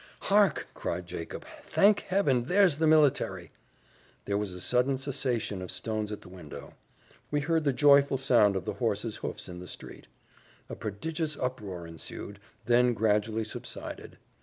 "Hark!" cried Jacob; "thank Heaven, there's the military!" There was a sudden cessation of stones at the window. We heard the joyful sound of the horses' hoofs in the street. A prodigious uproar ensued, then gradually subsided.